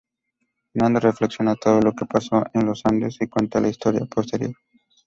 Nando reflexiona todo lo que pasó en los Andes, y cuenta la historia posterior.